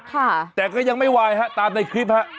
ค่ะแต่ก็ยังไม่วายฮะตามในคลิปฮะ